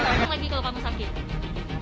lagi kalau kamu sakit